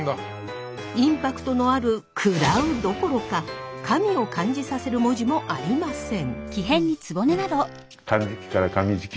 インパクトのある「喰らう」どころか「神」を感じさせる文字もありません。